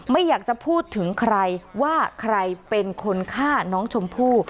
ไม่อยากจะพูดถึงใครว่าใครเป็นคนฆ่าน้องชมพู่